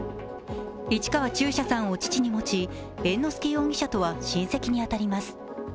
市川中車さんを父に持ち猿之助容疑者とは親戚に当たります。